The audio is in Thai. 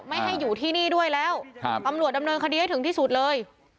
ไม่ให้อยู่ที่นี่ด้วยแล้วตำรวจดำเนินคดีให้ถึงที่สุดเลย